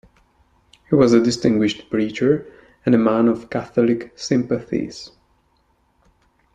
He was a distinguished preacher and a man of catholic sympathies.